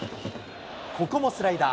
ここもスライダー。